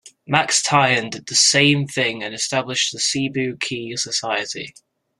Max Tian did the same thing and established the Cebu Ki Society.